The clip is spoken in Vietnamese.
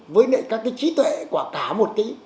với những cái trí tuệ của cả một cái